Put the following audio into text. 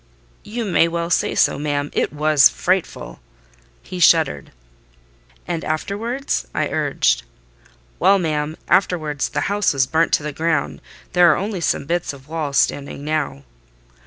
"You may well say so, ma'am: it was frightful!" He shuddered. "And afterwards?" I urged. "Well, ma'am, afterwards the house was burnt to the ground: there are only some bits of walls standing now."